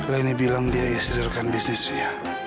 laini bilang dia istri rekan bisnisnya